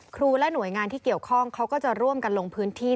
ครูและหน่วยงานที่เกี่ยวข้องเขาก็จะร่วมกันลงพื้นที่